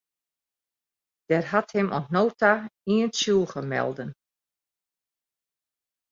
Der hat him oant no ta ien tsjûge melden.